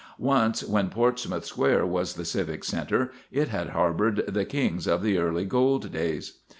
Once, when Portsmouth Square was the civic centre, it had harboured the kings of the early gold days.